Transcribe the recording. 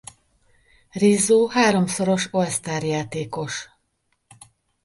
Rizzo háromszoros All-Star-játékos.